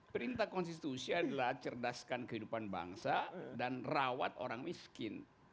perintah konstitusi adalah cerdaskan kehidupan bangsa dan rawat orang miskin